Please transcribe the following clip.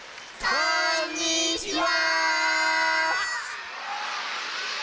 こんにちは！